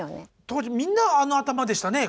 当時みんなあの頭でしたね。